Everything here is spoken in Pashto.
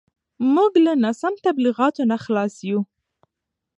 موږ له ناسم تبلیغاتو نه خلاص یو.